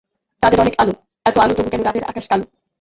চাঁদের অনেক আলো এত আলো তবু কেন রাতের আকাশ কালো?